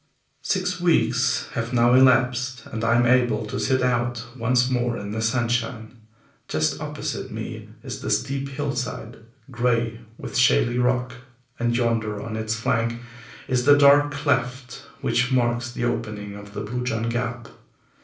Six weeks have now elapsed, and I am able to sit out once more in the sunshine. Just opposite me is the steep hillside, grey with shaly rock, and yonder on its flank is the dark cleft which marks the opening of the Blue John Gap.